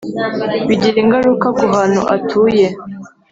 bigira ingaruka ku hantu atuye